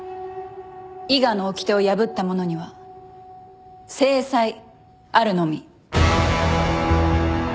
伊賀のおきてを破った者には制裁あるのみ。